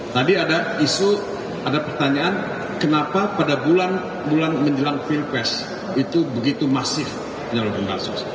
tadi ada isu ada pertanyaan kenapa pada bulan bulan menjelang pilpres itu begitu masif penyelenggara